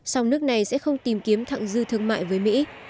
sau nước này sẽ không tìm kiếm thặng dư thương mại với mỹ